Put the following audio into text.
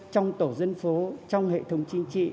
trong tổ dân phố trong hệ thống chính trị